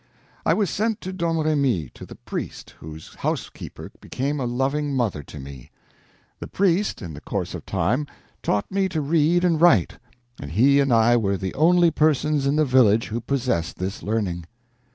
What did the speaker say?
I was sent to Domremy, to the priest, whose housekeeper became a loving mother to me. The priest, in the course of time, taught me to read and write, and he and I were the only persons in the village who possessed this learning.